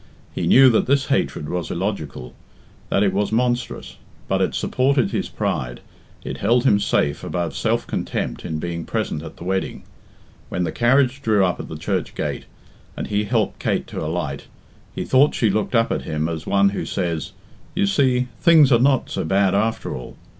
He knew that this hatred was illogical, that it was monstrous; but it supported his pride, it held him safe above self contempt in being present at the wedding. When the carriage drew up at the church gate, and he helped Kate to alight, he thought she looked up at him as one who says, "You see, things are not so bad after all!"